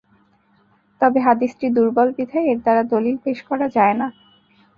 তবে হাদীসটি দুর্বল বিধায় এর দ্বারা দলীল পেশ করা যায় না।